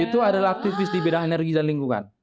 itu adalah aktivis di bidang energi dan lingkungan